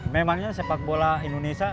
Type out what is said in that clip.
memangnya sepak bola indonesia